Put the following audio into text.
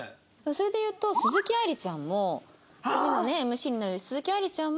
それで言うと鈴木愛理ちゃんも次のＭＣになる鈴木愛理ちゃんも。